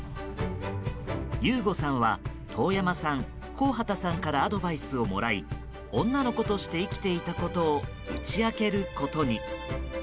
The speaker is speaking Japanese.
悠悟さんは當山さん、高畑さんからアドバイスをもらい女の子として生きていたことを打ち明けることに。